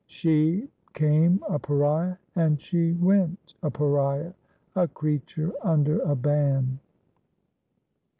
She came a Pariah, and she went a Pariah — a creature under a ban.